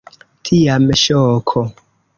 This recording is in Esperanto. Tiam ŝoko.